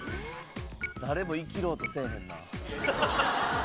誰もイキろうとせえへんな。